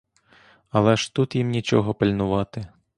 Але ж тут їм нічого пильнувати.